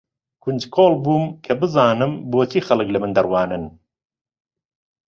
کونجکۆڵ بووم کە بزانم بۆچی خەڵک لە من دەڕوانن.